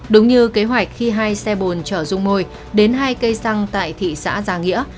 đúng như kế hoạch khi hai xe bồn chở rung môi đến hai cây xăng tại thị xã giang nghĩa